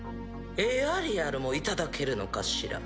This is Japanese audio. エアリアルも頂けるのかしら？